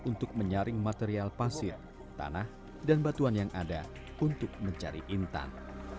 untuk menyaring material pasir tanah dan batuan yang ada untuk mencari intan